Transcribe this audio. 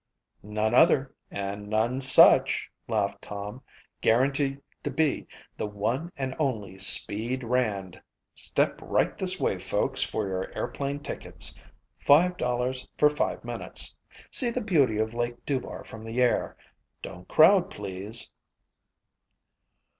"None other and none such," laughed Tom. "Guaranteed to be the one and only 'Speed' Rand. Step right this way folks for your airplane tickets. Five dollars for five minutes. See the beauty of Lake Dubar from the air. Don't crowd, please."